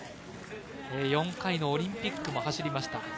４回のオリンピックも走りました。